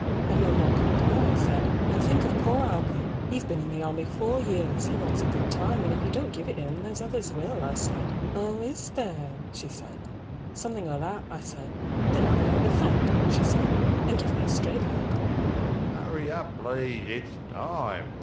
And no more can't I, I said, and think of poor Albert, He's been in the army four years, he wants a good time, And if you don't give it him, there's others will, I said. Oh is there, she said. Something o' that, I said. 150 Then I'll know who to thank, she said, and give me a straight look.